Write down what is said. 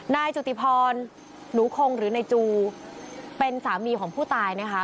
นายจุติพรหนูคงหรือนายจูเป็นสามีของผู้ตายนะคะ